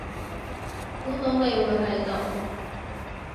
估到你會喺度